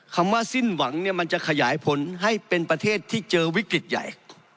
คำว่าสิ้นหวังเนี่ยมันจะขยายผลให้เป็นประเทศที่เจอวิกฤตใหญ่